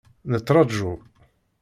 Nettraǧu.